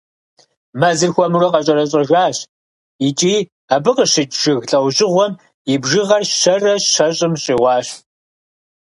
Мэзыр хуэмурэ къэщӏэрэщӏэжащ, икӀи абы къыщыкӀ жыг лӀэужьыгъуэм и бжыгъэр щэрэ щэщӀым щӏигъуащ.